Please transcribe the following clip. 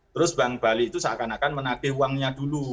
terus bank bali itu seakan akan menagih uangnya dulu